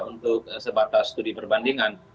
untuk sebatas studi perbandingan